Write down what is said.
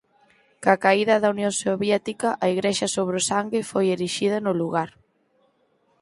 Coa caída da Unión Soviética a Igrexa sobre o Sangue foi erixida no lugar.